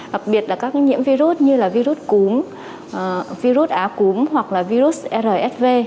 đặc biệt là các nhiễm virus như virus cúm virus á cúm hoặc virus rsv